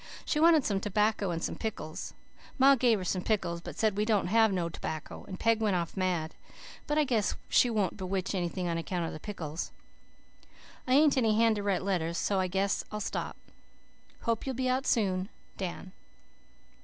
She wanted some tobacco and some pickles. Ma gave her some pickles but said we didn't have no tobacco and Peg went off mad but I guess she wouldn't bewitch anything on account of the pickles. "I ain't any hand to write letters so I guess I'll stop. Hope you'll be out soon. DAN."